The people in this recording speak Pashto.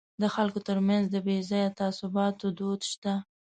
د خلکو ترمنځ د بې ځایه تعصباتو دود شته.